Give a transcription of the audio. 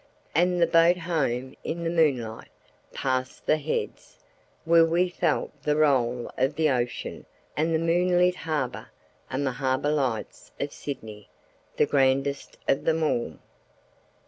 And the boat home in the moonlight, past the Heads, where we felt the roll of the ocean, and the moonlit harbour—and the harbour lights of Sydney—the grandest of them all.